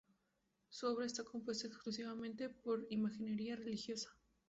Su obra está compuesta exclusivamente por imaginería religiosa.